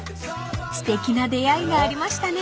［すてきな出会いがありましたね］